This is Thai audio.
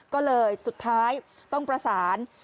ก็เลยสุดท้ายต้องประสาน